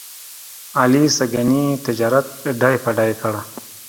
علي سږني تجارت ډۍ په ډۍ کړ.